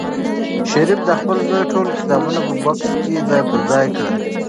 شریف د خپل زوی ټول کتابونه په بکس کې ځای پر ځای کړل.